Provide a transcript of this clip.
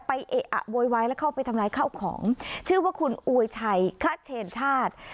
เอะอะโวยวายแล้วเข้าไปทำลายข้าวของชื่อว่าคุณอวยชัยคเชนชาติ